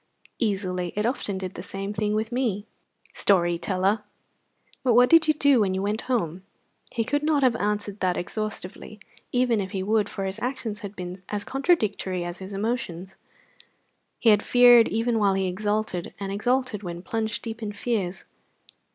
"Easily. It often did the same thing with me." "Story teller! But what did you do when you went home?" He could not have answered that exhaustively, even if he would, for his actions had been as contradictory as his emotions. He had feared even while he exulted, and exulted when plunged deep in fears.